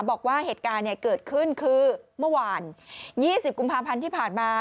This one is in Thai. บอกว่าเหตุการณ์เนี่ยเกิดขึ้นคือเมื่อวาน๒๐กุมภาพันธ์ที่ผ่านมา